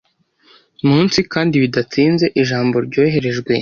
munsi, kandi bidatinze, ijambo ryoherejwe